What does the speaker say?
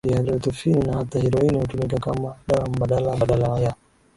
dihaidroetofini na hata heroini hutumika kama dawa mbadala badala ya